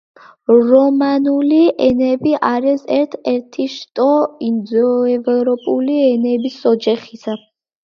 რომანული ენები არის ერთ-ერთი შტო ინდოევროპული ენების ოჯახისა.